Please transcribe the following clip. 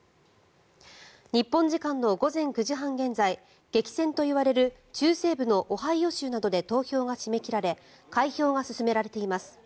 日本時間の午前９時半現在激戦といわれる中西部のオハイオ州などで投票が締め切られ開票が進められています。